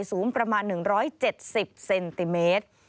สูงประมาณ๑๗๐เซนติเมตร